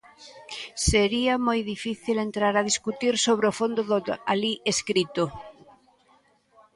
Sería moi difícil entrar a discutir sobre o fondo do alí escrito.